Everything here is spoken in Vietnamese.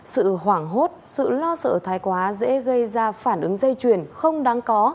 sự hoảng hốt sự lo sợ thái quá dễ gây ra phản ứng dây chuyển không đáng có